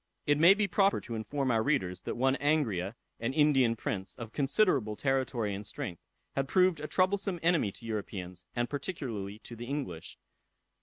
It may be proper to inform our readers, that one Angria, an Indian prince, of considerable territory and strength, had proved a troublesome enemy to Europeans, and particularly to the English.